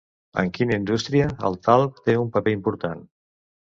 En quina indústria el talc té un paper important?